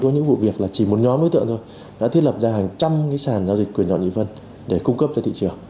có những vụ việc là chỉ một nhóm đối tượng thôi đã thiết lập ra hàng trăm sản giao dịch quyền dọn nhị vân để cung cấp cho thị trường